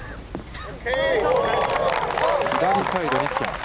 左サイドにつけます。